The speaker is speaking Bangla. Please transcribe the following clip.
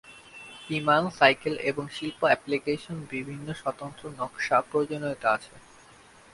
বিমান, সাইকেল এবং শিল্প অ্যাপ্লিকেশন বিভিন্ন স্বতন্ত্র নকশা প্রয়োজনীয়তা আছে।